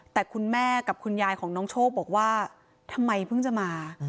แต่คุณแม่กับคุณยายของน้องโชคบอกว่าทำไมเพิ่งจะมา